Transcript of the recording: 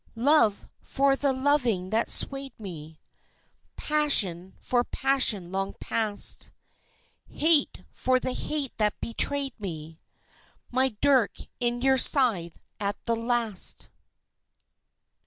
Love for the loving that swayed me, Passion for passion long past Hate for the hate that betrayed me ... My dirk in your side at the last!